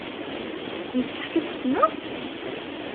Yessefk ad t-ssneɣ?